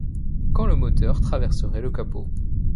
Quand le moteur traverserait le capot.